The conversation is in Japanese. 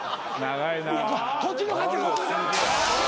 こっちの勝ち。